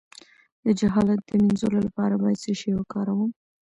د جهالت د مینځلو لپاره باید څه شی وکاروم؟